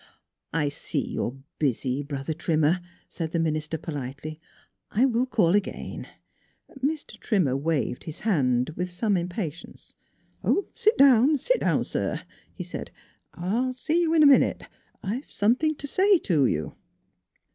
" I see you are busy, Brother Trimmer," said the minister politely; " I will call again." Mr. Trimmer waved his hand, with some im patience. "Sit down; sit down, sir," he said. "See you in a minute. Have something to say to you."